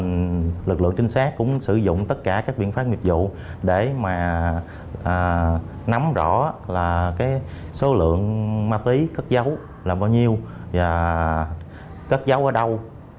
các lực lượng trinh sát cũng sử dụng tất cả các biện pháp nghiệp vụ để mà nắm rõ là cái số lượng ma túy cất dấu là bao nhiêu và cất giấu ở đâu